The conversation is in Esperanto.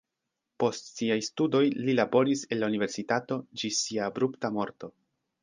Post siaj studoj li laboris en la universitato ĝis sia abrupta morto.